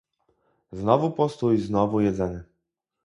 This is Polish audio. "Znowu postój, znowu jedzenie."